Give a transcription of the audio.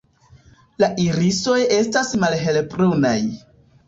La irisoj estas malhelbrunaj.